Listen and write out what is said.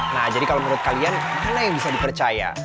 nah jadi kalau menurut kalian mana yang bisa dipercaya